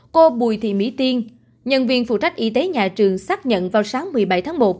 cô bùi thị mỹ tiên nhân viên phụ trách y tế nhà trường xác nhận vào sáng một mươi bảy tháng một